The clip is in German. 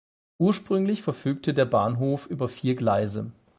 Ursprünglich verfügte der Bahnhof über vier Gleise.